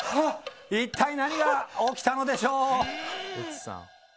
一体何が起きたのでしょう？